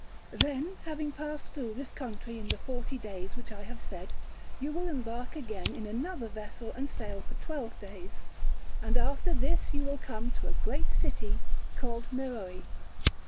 Then after having passed through this country in the forty days which I have said, you will embark again in another vessel and sail for twelve days; and after this you will come to a great city called Meroe.